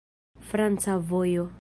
Franca vojo.